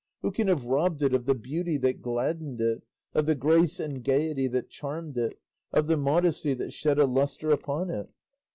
Who can have robbed it of the beauty that gladdened it, of the grace and gaiety that charmed it, of the modesty that shed a lustre upon it?"